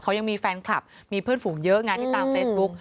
เขายังมีแฟนคลับมีเพื่อนฝูงเยอะไงที่ตามเฟซบุ๊ก